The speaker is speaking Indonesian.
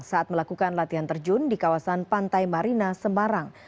saat melakukan latihan terjun di kawasan pantai marina semarang